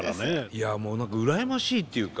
いやもう何か羨ましいっていうか。